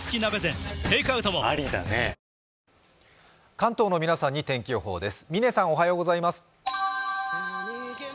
関東の皆さんに天気予報です。